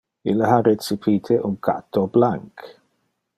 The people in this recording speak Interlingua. Ille ha recipite un catto blanc.